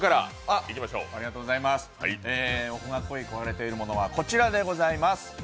僕が恋焦がれているものはこちらでございます。